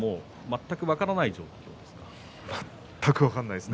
全く分からないですね。